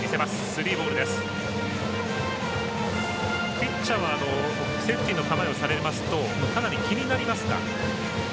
ピッチャーはセーフティーの構えをされますとかなり気になりますか？